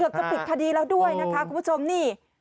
จะปิดคดีแล้วด้วยนะคะคุณผู้ชมนี่